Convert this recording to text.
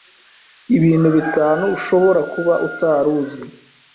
Ibintu Bitanu Ushobora Kuba Utari Uzi